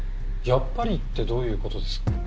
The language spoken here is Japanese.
「やっぱり」ってどういう事ですか？